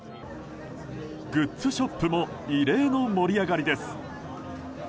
グッズショップも異例の盛り上がりです。